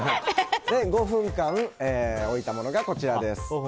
５分間置いたものが、こちらです。